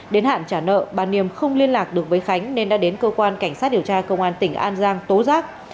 đến hạn trả nợ bà niềm không liên lạc được với khánh nên đã đến cơ quan cảnh sát điều tra công an tỉnh an giang tố giác